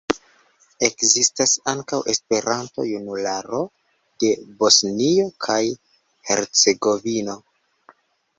Ekzistas ankaŭ "Esperanto-Junularo de Bosnio kaj Hercegovino".